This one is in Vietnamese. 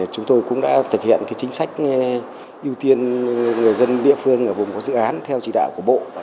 chúng tôi cũng đã thực hiện chính sách ưu tiên người dân địa phương ở vùng có dự án theo chỉ đạo của bộ